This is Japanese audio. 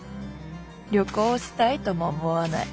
旅行したいとも思わない。